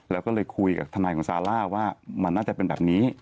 แล้วก็เลยคุยกับทนายของซาร่าว่ามันน่าจะเป็นแบบนี้